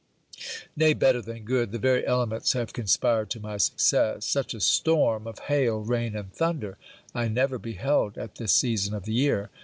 Nay, better than good, the very elements have conspired to my success. Such a storm of hail, rain, and thunder, I never beheld at this season of the year.